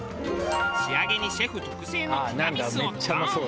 仕上げにシェフ特製のティラミスをチョン。